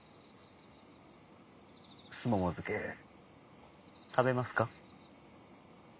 すもも漬け食べますか？